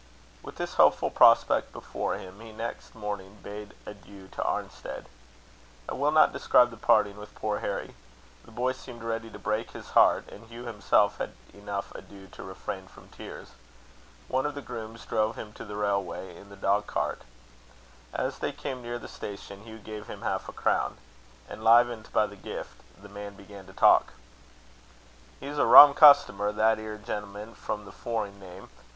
With this hopeful prospect before him, he next morning bade adieu to Arnstead. I will not describe the parting with poor Harry. The boy seemed ready to break his heart, and Hugh himself had enough to do to refrain from tears. One of the grooms drove him to the railway in the dog cart. As they came near the station, Hugh gave him half a crown. Enlivened by the gift, the man began to talk. "He's a rum customer, that ere gemman with the foring name.